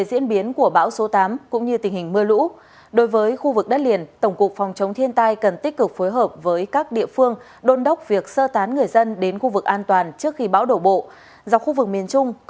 xin chào quý vị và các bạn